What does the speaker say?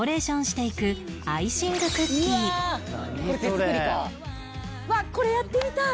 うわっこれやってみたい！